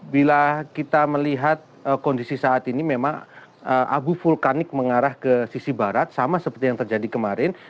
bila kita melihat kondisi saat ini memang abu vulkanik mengarah ke sisi barat sama seperti yang terjadi kemarin